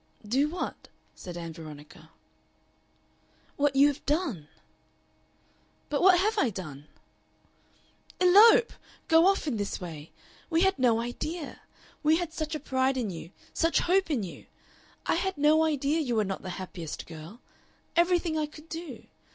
"Do what?" said Ann Veronica. "What you have done." "But what have I done?" "Elope! Go off in this way. We had no idea. We had such a pride in you, such hope in you. I had no idea you were not the happiest girl. Everything I could do!